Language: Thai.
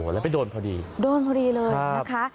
แล้วไปโดนพอดีโดนพอดีเลยนะคะ